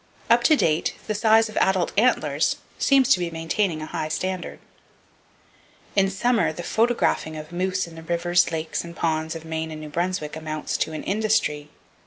Up to date the size of adult antlers seem to be maintaining a high standard. In summer, the photographing of moose in the rivers, lakes and ponds of Maine and New Brunswick amounts to an industry.